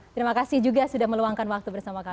terima kasih juga sudah meluangkan waktu bersama kami